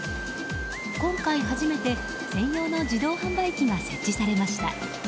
今回初めて専用の自動販売機が設置されました。